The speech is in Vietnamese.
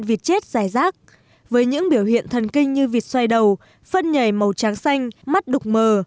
vịt chết dài rác với những biểu hiện thần kinh như vịt xoay đầu phân nhảy màu trắng xanh mắt đục mờ